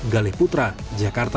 gale putra jakarta